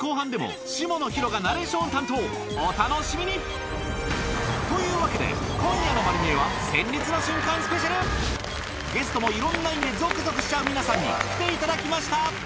お楽しみに！というわけで今夜の『まる見え！』はゲストもいろんな意味でゾクゾクしちゃう皆さんに来ていただきました